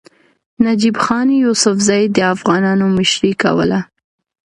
نجیب خان یوسفزي د افغانانو مشري کوله.